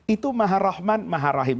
itu maha rahman maha rahim